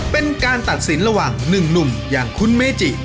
เป็นการตัดสินระหว่าง๑หนุ่มอย่างคุณเมจิ